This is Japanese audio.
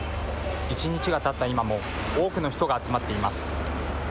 一日がたった今も、多くの人が集まっています。